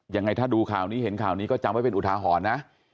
ยังไงถ้าดูข้าวนี้เห็นข้าวนี้ก็จำเหมือนอุทาหอนนะ